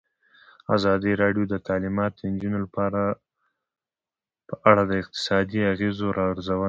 ازادي راډیو د تعلیمات د نجونو لپاره په اړه د اقتصادي اغېزو ارزونه کړې.